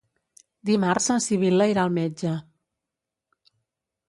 Dimarts na Sibil·la irà al metge.